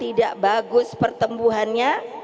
tidak bagus pertembuhannya